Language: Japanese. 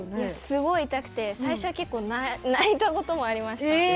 すごい痛くて最初は泣いたこともありました。